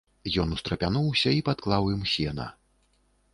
Ён устрапянуўся і падклаў ім сена.